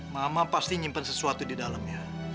mama pasti nyimpen sesuatu di dalamnya